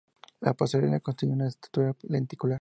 La pasarela constituye una estructura lenticular.